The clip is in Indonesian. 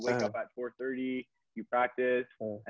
lo bangun jam empat tiga puluh lo berlatih